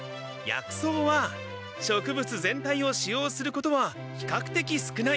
薬草は植物全体を使用することはひかくてき少ない。